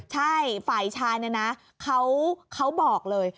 ใช่ฝ่ายชายเนี่ยนะเขาบอกเลย